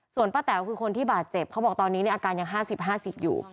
ส่วนป้าแต๋วคือคนที่บาดเจ็บเขาบอกตอนนี้อาการยัง๕๐๕๐อยู่